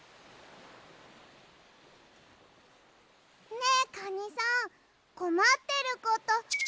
ねえカニさんこまってること。